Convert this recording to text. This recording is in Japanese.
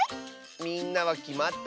みんなはきまった？